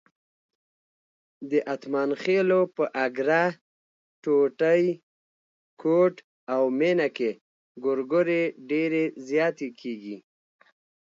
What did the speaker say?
د اتمانخېلو په اګره، ټوټی، کوټ او مېنه کې ګورګورې ډېرې زیاتې کېږي.